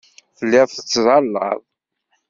Telliḍ tettẓallaḍ.